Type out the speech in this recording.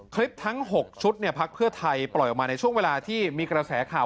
ทั้ง๖ชุดพักเพื่อไทยปล่อยออกมาในช่วงเวลาที่มีกระแสข่าว